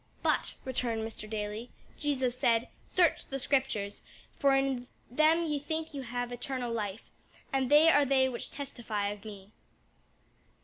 "But," returned Mr. Daly, "Jesus said, 'Search the Scriptures; for in them ye think ye have eternal life; and they are they which testify of me.'"